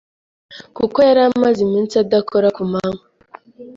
kuko yari amaze iminsi adakora ku munwa.